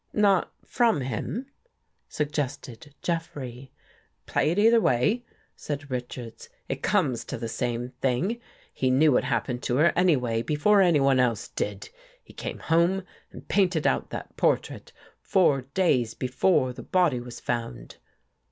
" Not from him? " suggested Jeffrey. " Play it either way," said Richards, '' it comes to the same thing. He knew what happened to her, anyway, before anyone else did. He came home and painted out that portrait four days before the body was found."